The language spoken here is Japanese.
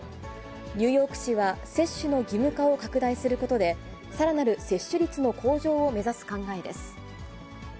ニューヨーク市は、接種の義務化を拡大することで、さらなる接種率の向上を目指す考えです。